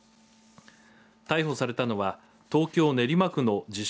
逮捕されたのは東京、練馬区の自称